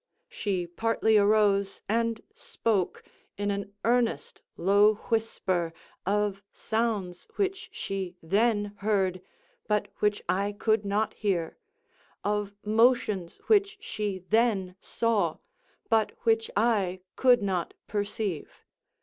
She partly arose, and spoke, in an earnest low whisper, of sounds which she then heard, but which I could not hear—of motions which she then saw, but which I could not perceive.